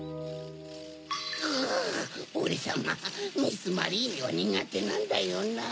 うぅオレさまミス・マリーネはにがてなんだよなぁ。